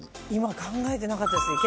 今、考えてなかったです。